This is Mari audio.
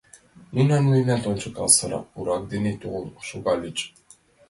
Нуно мемнан ончыко сыра пурак дене толын шогальыч.